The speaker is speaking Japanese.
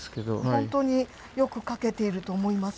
本当によく描けてると思います。